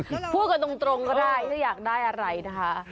พูดกันตรงก็ได้ถ้าอยากได้อะไรนะคะ